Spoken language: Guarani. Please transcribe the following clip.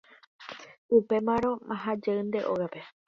upémarõ aha jeýnte ógape